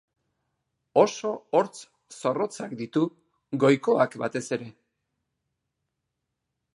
Oso hortz zorrotzak ditu, goikoak batez ere.